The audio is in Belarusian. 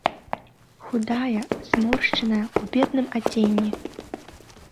Худая, зморшчаная, у бедным адзенні.